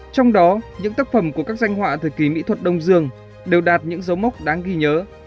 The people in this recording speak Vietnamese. trong đó những tác phẩm của các danh họa thời kỳ mỹ thuật đông dương đều đạt những dấu mốc đáng ghi nhớ